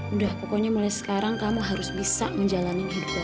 udah pokoknya mulai sekarang kamu harus bisa menjalani hidup